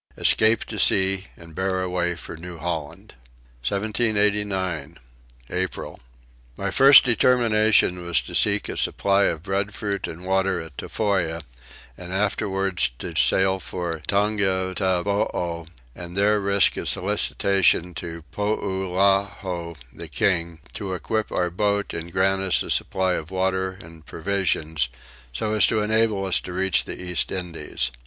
Escape to Sea and bear away for New Holland. 1789. April. My first determination was to seek a supply of breadfruit and water at Tofoa, and afterwards to sail for Tongataboo, and there risk a solicitation to Poulaho the king to equip our boat and grant us a supply of water and provisions, so as to enable us to reach the East Indies.